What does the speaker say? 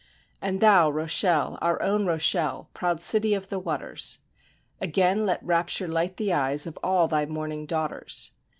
And thou, Rochelle, our own Rochelle, proud city of the waters, Again let rapture light the eyes of all thy mourning daughters.